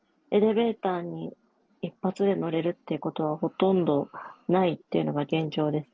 東京でエレベーターに一発で乗れるってことは、ほとんどないっていう現状です。